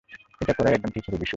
এটা করাই একদম ঠিক হবে, বিশু।